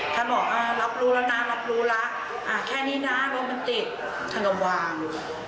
ท่านบอกว่ารับรู้แล้วนะรับรู้แล้วแค่นี้นะรถมันติดท่านก็วาง